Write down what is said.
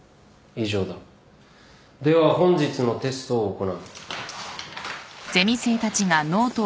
では本日のテストを行う。